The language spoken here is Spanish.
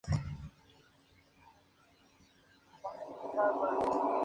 Es útil para el desarrollo de terapias preventivas y para los trasplantes capilares.